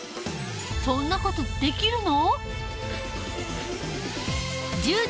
そんな事できるの？